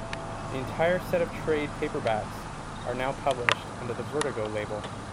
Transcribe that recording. The entire set of trade paperbacks are now published under the Vertigo label.